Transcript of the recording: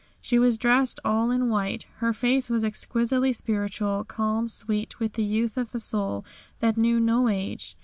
She was dressed all in white. Her face was exquisitely spiritual, calm, sweet with the youth of a soul that knew no age.